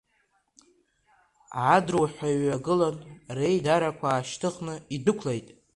Адруҳәа иҩагылан, реидарақәа аашьҭыхны идәықәлеит.